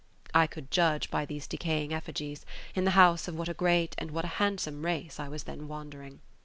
I could judge, by these decaying effigies, in the house of what a great and what a handsome race I was then wandering.